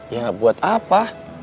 ya gak buat apa